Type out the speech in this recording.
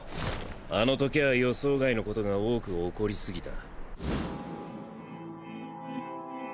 あのときは予想外のことが多く起こりすぎた。